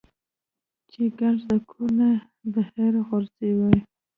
چې ګند د کور نه بهر غورځوه -